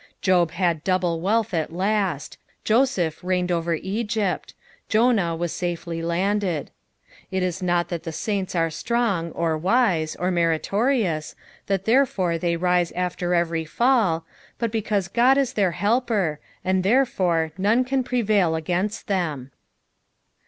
Job had double wealth at last, JosepE reigned over Egypt, Jonah was safely landed. It is not that the saints are ■ Strang, or wise, or meritorious, that therefore they rise after every fall, but because Qod is their helper, and therefore none can prevail against them.